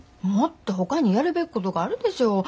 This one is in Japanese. もっとほかにやるべきことがあるでしょ。